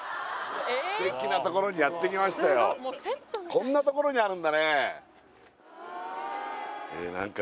こんな所にあるんだね